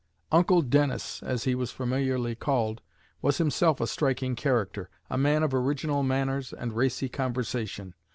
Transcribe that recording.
"Uncle Dennis," as he was familiarly called, was himself a striking character, a man of original manners and racy conversation.